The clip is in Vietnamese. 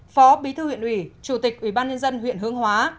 phó bí thư huyện ủy chủ tịch ubnd huyện hướng hóa